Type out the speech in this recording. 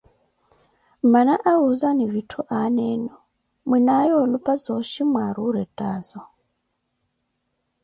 Mmana awuzakani vitthu aana enu, mwinaaye olupa zooxhi mwaari orettaazo.